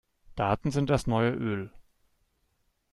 Daten sind das neue Öl.